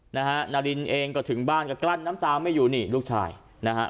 นารินเองก็ถึงบ้านก็กลั้นน้ำตาไม่อยู่นี่ลูกชายนะฮะ